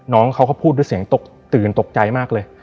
น้องเขาก็พูดด้วยเสียงตกตื่นตกใจมากเลย